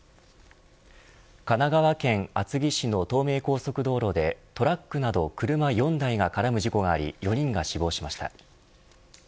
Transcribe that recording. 神奈川県厚木市の東名高速道路でトラックなど車４台が絡む事故があり４人が死亡しました。